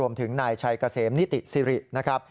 นายชัยเกษมนิติสิรินะครับ